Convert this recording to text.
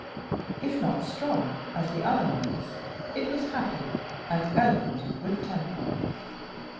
If not strong, as was the other man's, it was happy and eloquent of good temper.